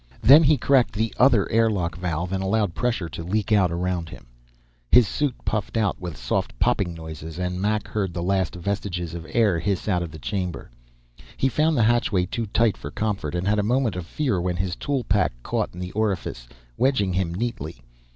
Then he cracked the other air lock valve and allowed pressure to leak out around him. His suit puffed out with soft popping noises and Mac heard the last vestige of air hiss out of the chamber. He found the hatchway too tight for comfort and had a moment of fear when his tool pack caught in the orifice, wedging him neatly.